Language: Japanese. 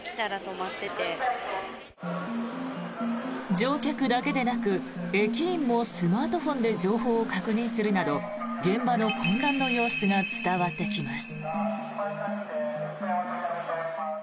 乗客だけでなく駅員もスマートフォンで情報を確認するなど現場の混乱の様子が伝わってきます。